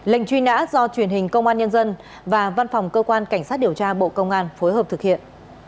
lệnh truy nã do truyền hình công an nhân dân và văn phòng cơ quan cảnh sát điều tra bộ công an phối hợp thực hiện